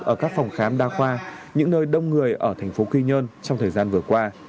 ở các phòng khám đa khoa những nơi đông người ở thành phố quy nhơn trong thời gian vừa qua